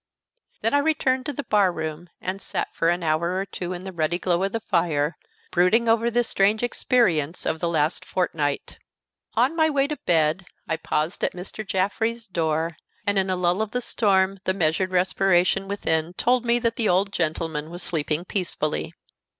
Then I returned to the bar room, and sat for an hour or two in the ruddy glow of the fire, brooding over the strange experience of the last fortnight. On my way to bed I paused at Mr. Jaffrey's door, and in a lull of the storm, the measured respiration within told me that the old gentleman was sleeping peacefully.